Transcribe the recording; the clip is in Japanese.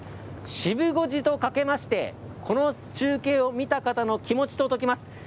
シブ５時とかけまして、この中継を見た方の気持ちとときます。